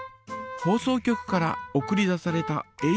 放送局から送り出されたえ